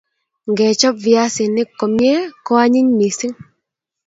Ngechob viasik komie ko anyiny missing